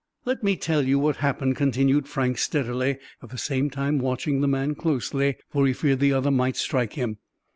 "Let me tell you what happened," continued Frank steadily, at the same time watching the man closely, for he feared the other might strike him.